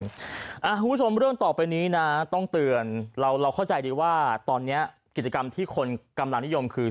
คุณผู้ชมเรื่องต่อไปนี้นะต้องเตือนเราเข้าใจดีว่าตอนนี้กิจกรรมที่คนกำลังนิยมคือ